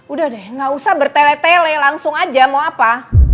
udah deh gak usah bertele tele langsung aja mau apa